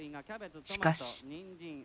しかし。